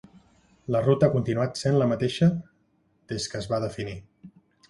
La ruta ha continuat sent la mateixa des que es va definir.